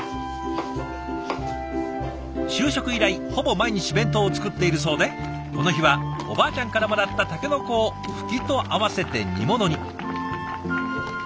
就職以来ほぼ毎日弁当を作っているそうでこの日はおばあちゃんからもらったタケノコをフキと合わせて煮物に。